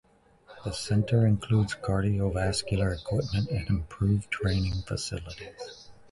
The center includes cardiovascular equipment and improved training facilities.